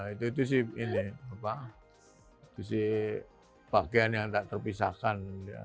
itu itu sih bagian yang tak terpisahkan